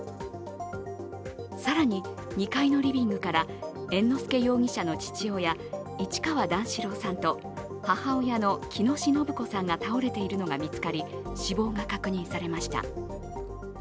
更に２階のリビングから、猿之助容疑者の父親、市川段四郎さんと、母親の喜熨斗延子さんが倒れているのが見つかり、死亡が確認されました。